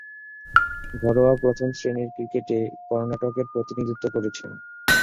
ঘরোয়া প্রথম-শ্রেণীর ক্রিকেটে কর্ণাটকের প্রতিনিধিত্ব করেছেন।